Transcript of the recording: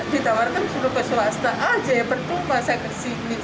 ditawarkan seluruh pesuasta aja ya berpumpah segeri segeri